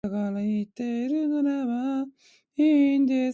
そのうちに召使の一人が、私をズボンのポケットに入れて、無事に下までおろしてくれました。